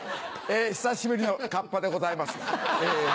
久しぶりのかっぱでございます。